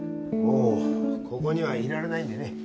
もうここにはいられないんでね。